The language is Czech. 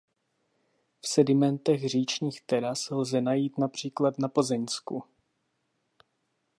V sedimentech říčních teras lze najít například na Plzeňsku.